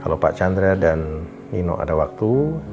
kalau pak chandra dan nino ada waktu